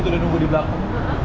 udah nunggu di belakang